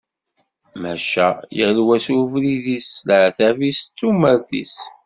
Maca yal wa s ubrid-is, s leɛtab-is, d tumert-is.